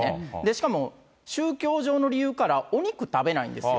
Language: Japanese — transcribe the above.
しかも宗教上の理由から、お肉食べないんですよ。